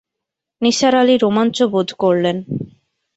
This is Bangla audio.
নিসার আলি রোমাঞ্চ বোধ করলেন।